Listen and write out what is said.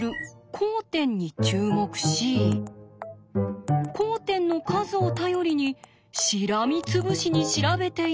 交点の数を頼りにしらみつぶしに調べていこうというのです。